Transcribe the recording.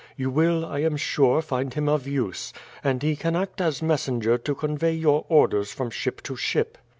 You will, I am sure, find him of use; and he can act as messenger to convey your orders from ship to ship."